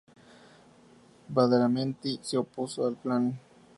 Badalamenti se opuso al plan.